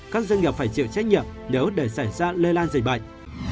các doanh nghiệp phải chịu trách nhiệm nếu để xảy ra lây lan dịch bệnh